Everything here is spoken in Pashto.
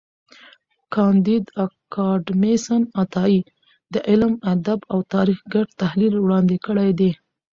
کانديد اکاډميسن عطایي د علم، ادب او تاریخ ګډ تحلیل وړاندي کړی دی.